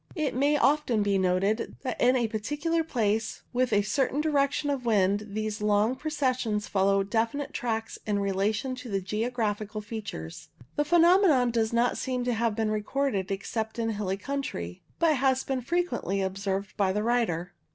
It may often be noticed that in a particular place with a certain direction of wind these long processions follow definite tracks in relation to the geographical features. The phenomenon does not seem to have been recorded except in hilly country, but has frequently been observed by the writer.